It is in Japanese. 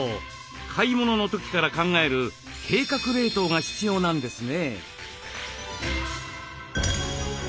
買い物の時から考える「計画冷凍」が必要なんですね。